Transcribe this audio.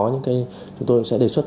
những cái chúng tôi sẽ đề xuất